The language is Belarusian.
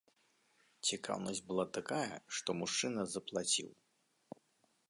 Цікаўнасць была такая, што мужчына заплаціў!